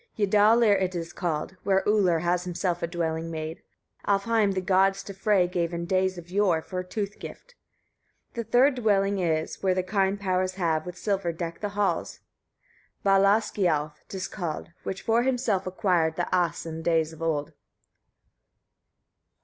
5. Ydalir it is called, where Ullr has himself a dwelling made. Alfheim the gods to Frey gave in days of yore for a tooth gift. 6. The third dwelling is, where the kind powers have with silver decked the hall; Valaskiâlf 'tis called, which for himself acquired the As in days of old.